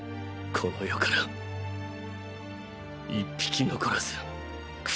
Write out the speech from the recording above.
この世から一匹残らず駆逐する。